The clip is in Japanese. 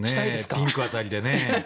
ピンク辺りでね。